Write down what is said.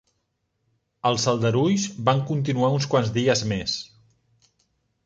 Els aldarulls van continuar uns quants dies més.